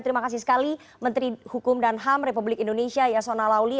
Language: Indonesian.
terima kasih sekali menteri hukum dan ham republik indonesia yasona lauli